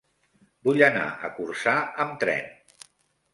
Vull anar a Corçà amb tren.